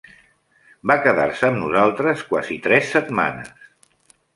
Va quedar-se amb nosaltres quasi tres setmanes.